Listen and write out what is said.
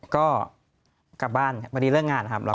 ก็กลับบ้านวันนี้เรื่องงานครับ